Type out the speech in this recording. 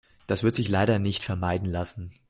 Das wird sich leider nicht vermeiden lassen.